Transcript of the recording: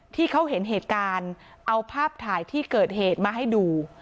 ที่เขาเห็นเหตุการณ์เอาภาพถ่ายที่เกิดเหตุมาให้ดู